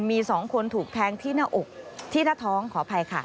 มีสองคนถูกแทงที่หน้าอกที่หน้าท้องขออภัยค่ะ